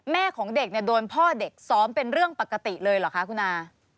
ของเด็กเนี่ยโดนพ่อเด็กซ้อมเป็นเรื่องปกติเลยเหรอคะคุณอา